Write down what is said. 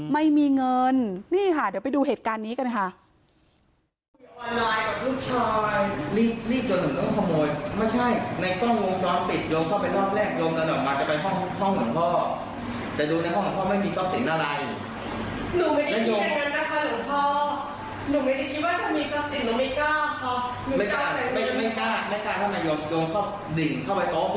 ไม่มีเงินนี่ค่ะเดี๋ยวไปดูเหตุการณ์นี้กันค่ะ